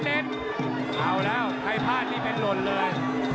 เอาแล้วใครพลาดมันหล่นเรื่อย